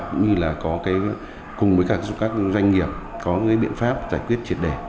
cũng như là có cái cùng với các doanh nghiệp có cái biện pháp giải quyết triệt đề